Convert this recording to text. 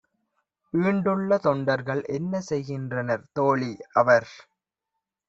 ஈண்டுள்ள தொண்டர்கள் என்ன செய்கின்றனர்? தோழி - அவர்